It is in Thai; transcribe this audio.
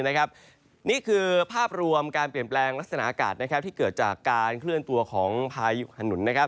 นี่คือภาพรวมการเปลี่ยนแปลงลักษณะอากาศที่เกิดจากการเคลื่อนตัวของพายุขนุนนะครับ